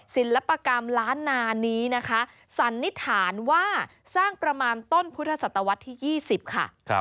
ศิลปกรรมล้านนานี้นะคะสันนิษฐานว่าสร้างประมาณต้นพุทธศตวรรษที่๒๐ค่ะ